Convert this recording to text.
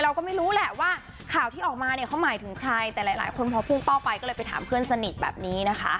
เราก็ไม่รู้แหละว่าข่าวที่ออกมาเนี่ยเขาหมายถึงใครแต่หลายคนพอพุ่งเป้าไปก็เลยไปถามเพื่อนสนิทแบบนี้นะคะ